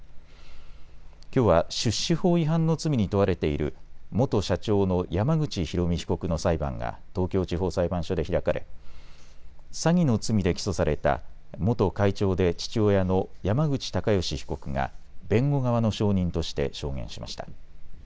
きょうは出資法違反の罪に問われている元社長の山口ひろみ被告の裁判が東京地方裁判所で開かれ詐欺の罪で起訴された元会長で父親の山口隆祥被告が弁護側の証人として証言しました。